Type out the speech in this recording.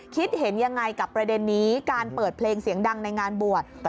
คิดเห็นยังไงกับประเด็นนี้การเปิดเพลงเสียงดังในงานบวช